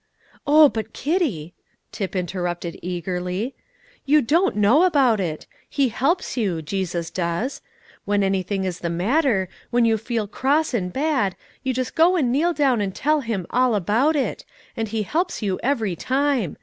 "Oh, but, Kitty," Tip interrupted eagerly, "you don't know about it! He helps you, Jesus does. When anything is the matter, when you feel cross and bad, you just go and kneel down and tell Him all about it, and He helps you every time.